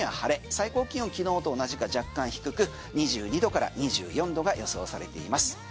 最高気温昨日と同じか若干低く２２度から２４度が予想されています。